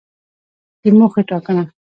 د موخې ټاکنه